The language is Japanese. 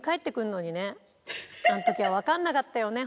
あの時はわかんなかったよね